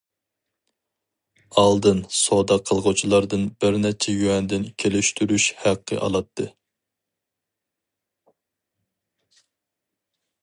ئالدىن سودا قىلغۇچىلاردىن بىرنەچچە يۈەندىن كېلىشتۈرۈش ھەققى ئالاتتى.